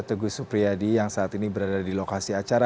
teguh supriyadi yang saat ini berada di lokasi acara